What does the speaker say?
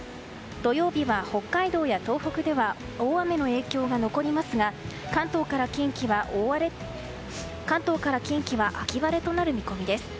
土曜日は北海道や東北では大雨の影響が残りますが関東から近畿は秋晴れとなる見込みです。